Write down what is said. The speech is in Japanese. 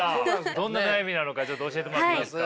どんな悩みなのかちょっと教えてもらっていいですか。